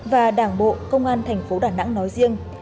và đảng bộ công an thành phố đà nẵng nói riêng